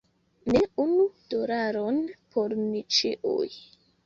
Ne, unu dolaron por ni ĉiuj.